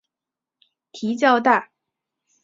蹄较大。